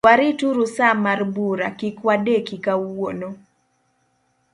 Warituru sa mar bura, kik wadeki kawuono.